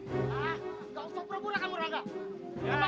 gak usah berbura kamu rangga